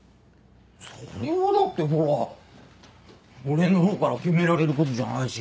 それはだってほら俺の方から決められることじゃないし。